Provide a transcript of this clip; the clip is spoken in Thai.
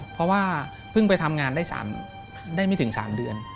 เพราะว่าเพิ่งไปทำงานได้ไม่ถึง๓เดือน